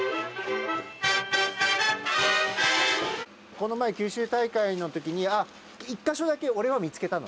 この前、九州大会のときに、あっ、１か所だけ俺は見つけたの。